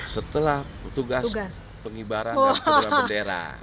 setelah tugas pengibaran dan penerbangan bendera